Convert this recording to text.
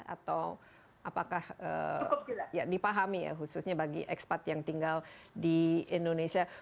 atau apakah dipahami ya khususnya bagi ekspat yang tinggal di indonesia